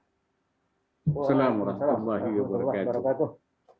assalamu'alaikum warahmatullahi wabarakatuh